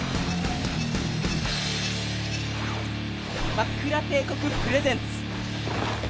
マックラ帝国プレゼンツ！